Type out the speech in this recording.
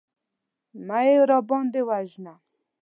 مه يې راباندې وژنه.